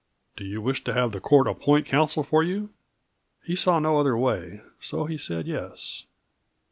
"Do you wish to have the Court appoint counsel for you?" He saw no other way, so he said yes.